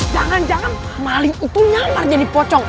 jangan jangan maling itu nyamar jadi pocong